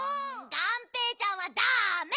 がんぺーちゃんはだめ！